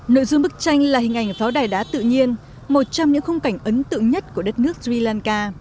nội dung bức tranh là hình ảnh pháo đài đá tự nhiên một trong những khung cảnh ấn tượng nhất của đất nước sri lanka